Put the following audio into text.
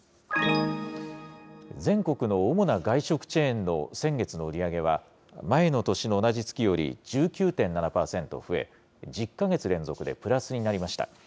全国の主な外食チェーンの先月の売り上げは、前の年の同じ月より１９．７％増え、１０か月連続でプラスになりました。